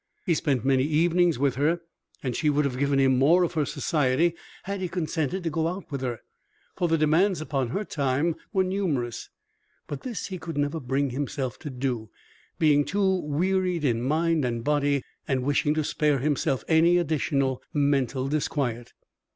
He spent many evenings with her, and she would have given him more of her society had he consented to go out with her, for the demands upon her time were numerous; but this he could never bring himself to do, being too wearied in mind and body, and wishing to spare himself any additional mental disquiet.